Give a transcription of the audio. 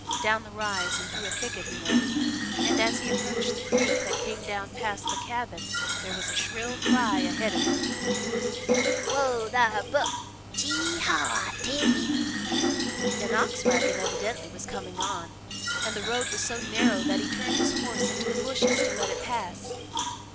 Down the rise and through a thicket he went, and as he approached the creek that came down past the cabin there was a shrill cry ahead of him. "Whoa thar, Buck! Gee haw, I tell ye!" An ox wagon evidently was coming on, and the road was so narrow that he turned his horse into the bushes to let it pass.